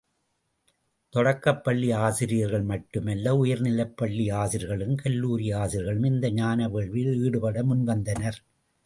தொடக்கப் பள்ளி ஆசிரியர்கள் மட்டுமல்ல, உயர்நிலைப்பள்ளி ஆசிரியர்களும் கல்லூரி ஆசிரியர்களும், இந்த ஞான வேள்வியில் ஈடுபட முன் வந்தனர்.